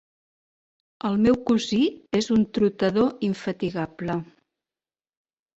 El meu cosí és un trotador infatigable.